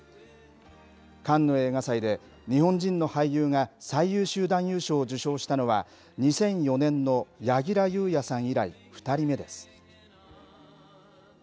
カンヌ映画祭で、日本人の俳優が最優秀男優賞を受賞したのは、２００４年の柳楽優弥さん以来、２人目です。